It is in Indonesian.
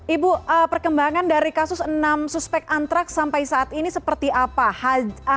ibu perkembangan dari kasus enam suspek antraks sampai saat ini seperti apa